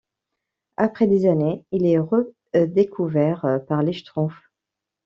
Après des années, il est redécouvert par les Schtroumpfs.